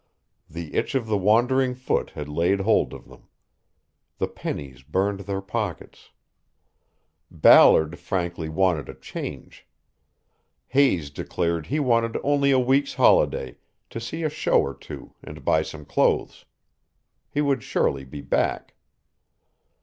The itch of the wandering foot had laid hold of them. The pennies burned their pockets. Ballard frankly wanted a change. Hayes declared he wanted only a week's holiday, to see a show or two and buy some clothes. He would surely be back.